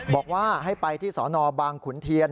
บอกว่าให้ไปที่สนบางขุนเทียน